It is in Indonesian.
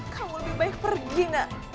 kamu lebih baik pergi nak